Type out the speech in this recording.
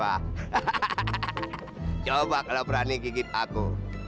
coba kalau berani gigit aku